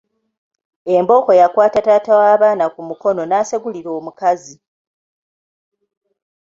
Embooko yakwata taata w’abaana ku mukono n’asegulira omukazi.